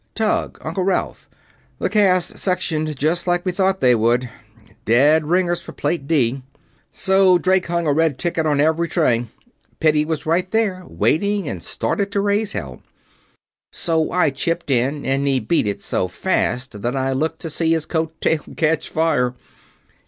"Tug, Uncle Ralph. The casts sectioned just like we thought they would. Dead ringers for Plate D. So Drake hung a red ticket on every tray. Piddy was right there, waiting, and started to raise hell. So I chipped in, and he beat it so fast that I looked to see his coat tail catch fire.